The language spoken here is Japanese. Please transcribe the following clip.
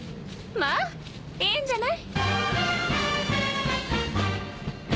まぁいいんじゃない？